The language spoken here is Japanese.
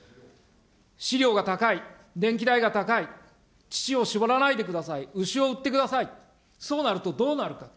飼料が高い、電気代が高い、乳を搾らないでください、牛を売ってください、そうなるとどうなるか。